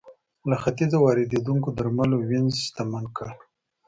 له ختیځه واردېدونکو درملو وینز شتمن کړ